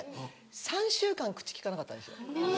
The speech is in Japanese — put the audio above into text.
３週間口利かなかったんですよ。